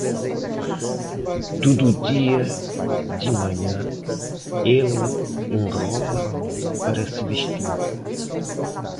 Todo dia de manhã ele enrola para se vestir.